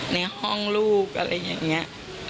ในห้องลูกอะไรอย่างนี้